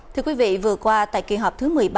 thưa quý vị vừa qua tại kỳ họp thứ một mươi ba